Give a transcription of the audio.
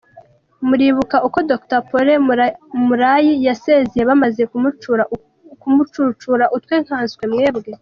muribuka uko Dr. Paulin Murayi yasezeye bamaze kumucucura utwe nkanswe mwebwe ?